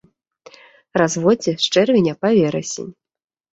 Разводдзе з чэрвеня па верасень.